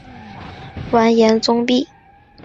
完颜宗弼。